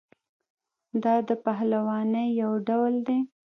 دا د پهلوانۍ یو ډول دی.